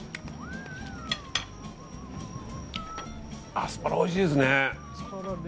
アスパラおいしいですね。